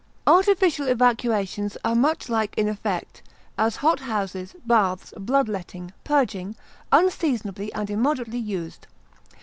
Artificial evacuations are much like in effect, as hot houses, baths, bloodletting, purging, unseasonably and immoderately used.